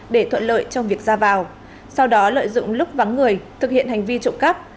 để thuận lợi trong việc ra vào sau đó lợi dụng lúc vắng người thực hiện hành vi trộm cắp